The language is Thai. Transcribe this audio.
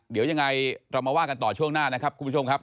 เดี๋ยวยังไงเรามาว่ากันต่อช่วงหน้านะครับคุณผู้ชมครับ